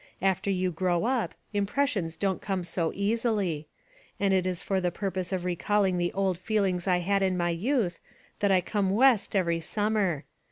After you grow up impressions don't come so easily. And it is for the purpose of recalling the old feelings I had in my youth that I come West every summer.